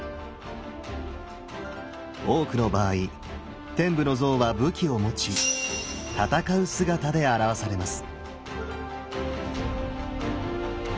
多くの場合天部の像は武器を持ち戦う姿で表されます。